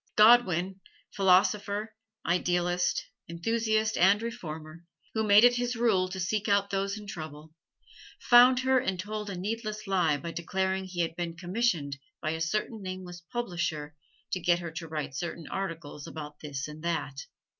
Godwin, philosopher, idealist, enthusiast and reformer, who made it his rule to seek out those in trouble, found her and told a needless lie by declaring he had been commissioned by a certain nameless publisher to get her to write certain articles about this and that.